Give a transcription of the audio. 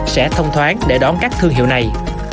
sẽ thông thoáng để đón các thương hiệu này